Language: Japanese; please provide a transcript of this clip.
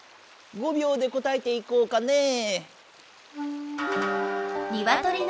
５びょうで答えていこうかねぇ。